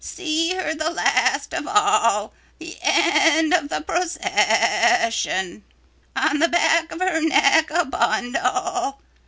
See her the last of all, the end of the procession. On the back of her neck a bundle.